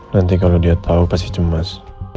nanti kalau dia tahu pasti cemas